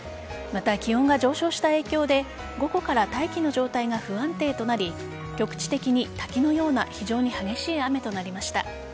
また気温が上昇した影響で午後から大気の状態が不安定となり局地的に滝のような非常に激しい雨となりました。